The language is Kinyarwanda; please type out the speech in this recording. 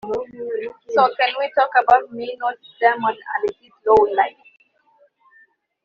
so can we talk about me not Diamond and his lowlife